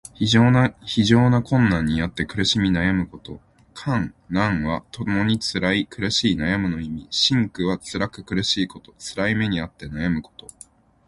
非常な困難にあって苦しみ悩むこと。「艱」「難」はともにつらい、苦しい、悩むの意。「辛苦」はつらく苦しいこと。つらい目にあって悩むこと。